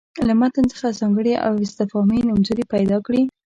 له متن څخه ځانګړي او استفهامي نومځړي پیدا کړي.